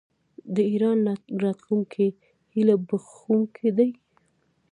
د ایران راتلونکی هیله بښونکی دی.